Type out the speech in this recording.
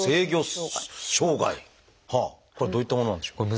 これはどういったものなんでしょうか？